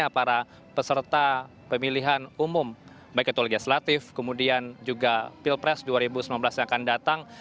para peserta pemilihan umum baik itu legislatif kemudian juga pilpres dua ribu sembilan belas yang akan datang